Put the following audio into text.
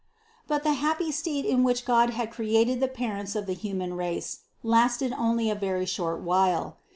138. But the happy state in which God had created the parents of the human race lasted only a very short while.